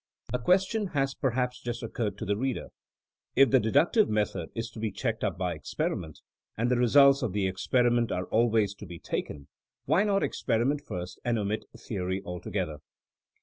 A question has perhaps just occurred to the reader. If the deductive method is to be checked up by experiinen.t, and the results of the experiment are always to be taken, why not experiment first, and omit theory altogether?